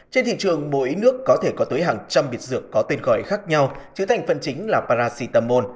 trên thị trường mỗi nước có thể có tới hàng trăm biệt dược có tên gọi khác nhau chứa thành phần chính là paracetamol